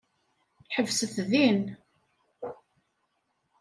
Ḥebset din.